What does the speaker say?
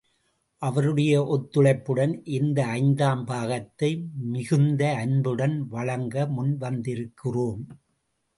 அவருடைய ஒத்துழைப்புடன், இந்த ஐந்தாம் பாகத்தை மிகுந்த அன்புடன் வழங்க முன்வந்திருக்கிறோம்.